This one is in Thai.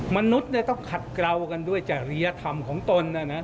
มนุษย์ต้องขัดเกราฉอดกรรมด้วยจัฬียธรรมของตน